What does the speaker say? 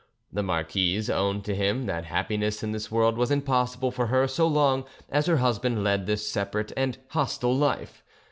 The marquise owned to him that happiness in this world was impossible for her so long as her husband led this separate and hostile life.